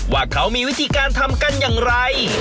ว่าเขามีวิธีการทำกันอย่างไร